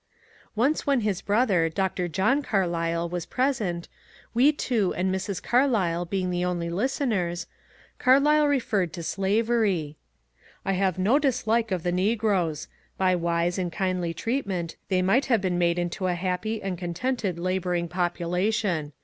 Once when his brother. Dr. John Carlyle, was present, we ^ two and Mrs. Carlyle being the only listeners, Carlyle referred to slavery. ^' I have no dislike of the negroes. By wise and kindly treatment they might have been made into a happy and contented labouring population.